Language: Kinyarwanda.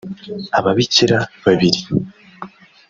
ababikira babiri